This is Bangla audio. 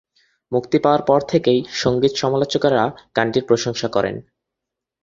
মুক্তি পাওয়ার পর থেকেই সঙ্গীত সমালোচকরা গানটির প্রশংসা করেন।